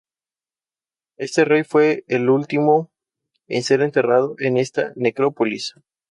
Este rey fue el último en ser enterrado en esa necrópolis.